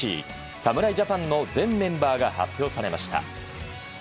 侍ジャパンの全メンバーが発表されました。